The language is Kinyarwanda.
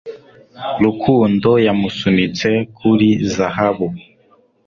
Rukundo yamusunitse kuri zahabu